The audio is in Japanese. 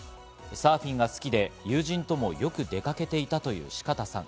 サーフィンが好きで友人ともよく出かけていたという四方さん。